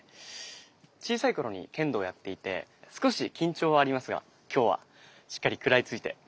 小さい頃に剣道をやっていて少し緊張はありますが今日はしっかり食らいついて頑張りたいと思います。